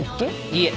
いえ。